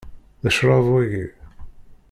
D ccṛab waki?